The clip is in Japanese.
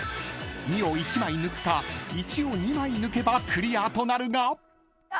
［２を１枚抜くか１を２枚抜けばクリアとなるが］